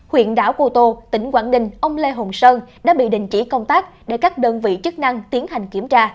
huyện đảo cô tô tỉnh quảng đình ông lê hồng sơn đã bị đình chỉ công tác để các đơn vị chức năng tiến hành kiểm tra